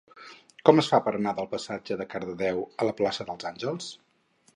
Com es fa per anar del passatge de Cardedeu a la plaça dels Àngels?